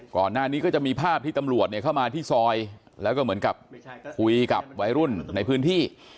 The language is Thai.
ก่อนหน้านี้ก็จะมีภาพที่ตำรวจเข้ามาที่ซอยแล้วก็เหมือนกับคุยกับวัยรุ่นในพื้นที่